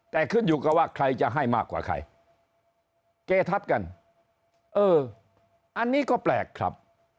แต่ขึ้นอยู่กับว่าใครจะให้มากกว่าใครเกทับกันเอออันนี้ก็แปลกครับ